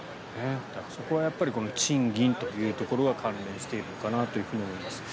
そこは賃金というところが関連しているのかなと思います。